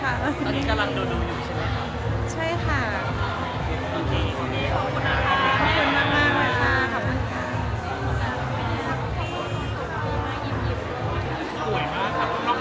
ตอนนี้กำลังดูอยู่ใช่มั้ยค่ะ